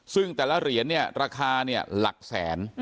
ซึ่งแต่ละเหรียญเนี่ยราคาเนี่ยหลักแสน